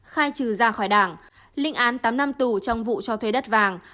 khai trừ ra khỏi đảng linh án tám năm tù trong vụ cho thuê đất vàng